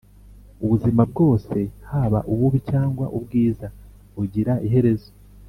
ubuzima bwose haba ububi cyangwa ubwiza bugira iherezo